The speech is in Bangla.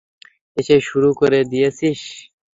এসেই শুরু করে দিয়েছিস!